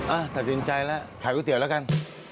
อ่ะตัดสินใจแล้วขายก๋วยเตี๋ยวแล้วกัน